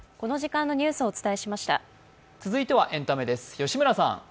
続いてはエンタメです。